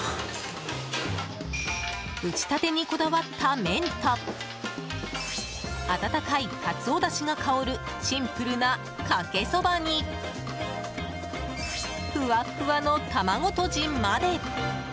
打ちたてにこだわった麺と温かいカツオだしが香るシンプルなかけそばにふわっふわの卵とじまで。